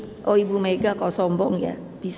ani dong punya inventukasiwife gini untuk